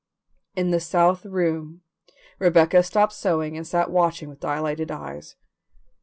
In the south room Rebecca stopped sewing and sat watching with dilated eyes.